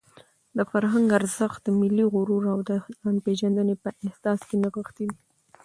د فرهنګ ارزښت د ملي غرور او د ځانپېژندنې په احساس کې نغښتی دی.